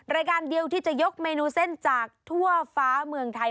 รายการเดียวที่จะยกเมนูเส้นจากทั่วฟ้าเมืองไทย